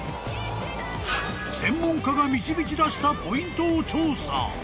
［専門家が導き出したポイントを調査］